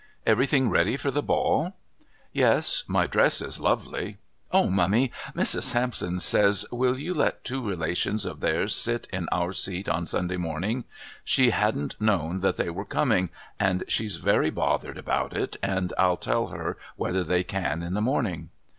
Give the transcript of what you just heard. "Everything ready for the Ball?" "Yes, my dress is lovely. Oh, mummy, Mrs. Sampson says will you let two relations of theirs sit in our seat on Sunday morning? She hadn't known that they were coming, and she's very bothered about it, and I'll tell her whether they can in the morning."